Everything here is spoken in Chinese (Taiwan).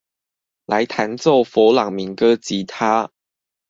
來彈奏佛朗明哥吉他